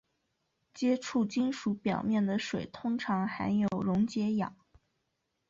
接触金属表面的水通常含有溶解氧。